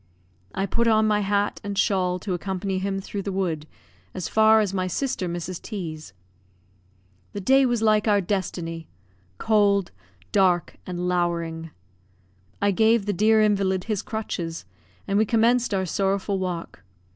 I put on my hat and shawl to accompany him through the wood as far as my sister Mrs. T 's. The day was like our destiny, cold, dark, and lowering. I gave the dear invalid his crutches, and we commenced our sorrowful walk.